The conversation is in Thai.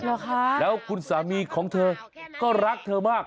เหรอคะแล้วคุณสามีของเธอก็รักเธอมาก